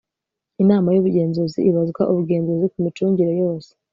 inama y'ubugenzuzi ibazwa ubugenzuzi ku micungire yose